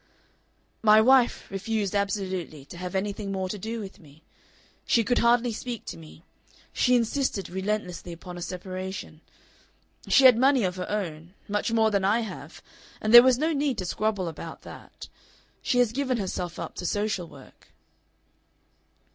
"My wife refused absolutely to have anything more to do with me. She could hardly speak to me; she insisted relentlessly upon a separation. She had money of her own much more than I have and there was no need to squabble about that. She has given herself up to social work."